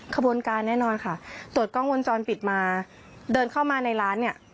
ขบวนการแน่นอนค่ะตรวจกล้องวงจรปิดมาเดินเข้ามาในร้านเนี่ย